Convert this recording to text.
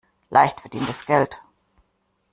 Leicht verdientes Geld.